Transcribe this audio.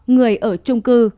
người ở trung cư